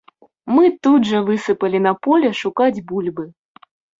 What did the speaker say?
Мы тут жа высыпалі на поле шукаць бульбы.